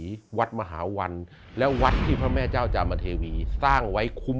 วัดมหาวันและวัดที่พระแม่เจ้าจามเทวีสร้างไว้คุ้ม